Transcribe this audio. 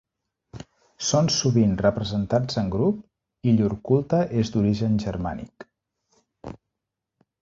Són sovint representats en grup, i llur culte és d'origen germànic.